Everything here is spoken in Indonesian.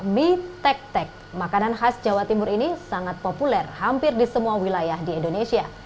mie tek tek makanan khas jawa timur ini sangat populer hampir di semua wilayah di indonesia